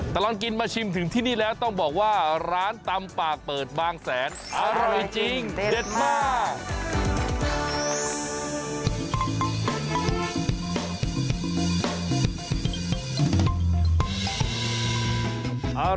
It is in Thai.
ตลอดกินมาชิมถึงที่นี่แล้วต้องบอกว่าร้านตำปากเปิดบางแสนอร่อยจริงเด็ดมาก